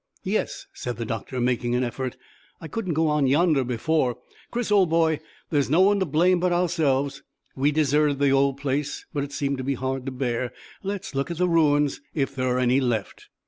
"Yes," said the doctor, making an effort. "I couldn't go in yonder before. Chris, boy, there's no one to blame but ourselves; we deserted the old place; but it seemed to be hard to bear. Let's look at the ruins, if there are any left."